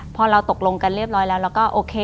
พอเราตกลงกันเรียบร้อยแล้วเราก็โอเค